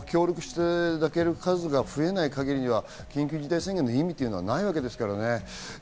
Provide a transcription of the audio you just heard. その数が増えない限りは緊急事態宣言の意味はないわけですからね。